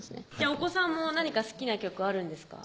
お子さんも何か好きな曲あるんですか？